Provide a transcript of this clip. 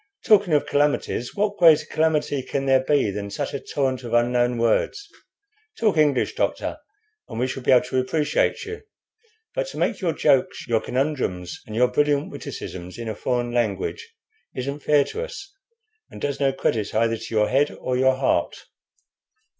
Talking of calamities, what greater calamity can there be than such a torrent of unknown words? Talk English, doctor, and we shall be able to appreciate you; but to make your jokes, your conundrums, and your brilliant witticisms in a foreign language isn't fair to us, and does no credit either to your head or your heart."